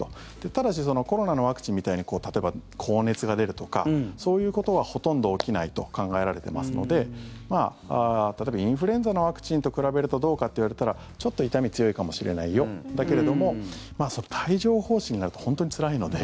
ただしコロナのワクチンみたいに例えば高熱が出るとかそういうことはほとんど起きないと考えられていますので例えば、インフルエンザのワクチンと比べるとどうかと言われたらちょっと痛み強いかもしれないよだけれども帯状疱疹になると本当につらいので。